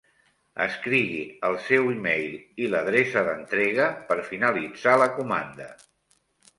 Escrigui el seu email i l'adreça d'entrega per finalitzar la comanda.